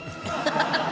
ハハハハ！